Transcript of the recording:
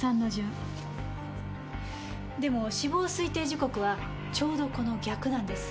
でも死亡推定時刻はちょうどこの逆なんです。